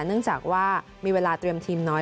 เนื่องจากว่ามีเวลาเตรียมทีมน้อย